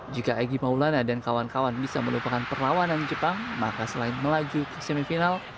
jika egy maulana dan kawan kawan bisa melupakan perlawanan jepang maka selain melaju ke semifinal